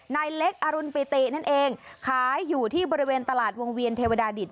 นายเล็กอรุณปิตินั่นเองขายอยู่ที่บริเวณตลาดวงเวียนเทวดาดิต